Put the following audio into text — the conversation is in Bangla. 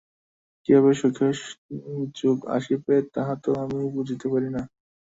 কিভাবে সুখের যুগ আসিবে, তাহা তো আমি বুঝিতে পারি না।